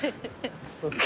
そっか。